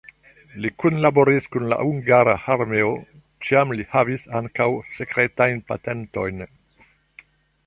Li kunlaboris kun la hungara armeo, tial li havis ankaŭ sekretajn patentojn.